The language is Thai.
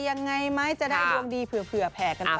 ยังไงไม่จะได้ดวงดีเผื่อแผ่กันก่อนนะครับ